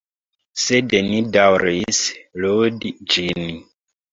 Sed ni daŭris ludi ĝin.